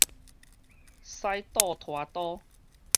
使倒拖刀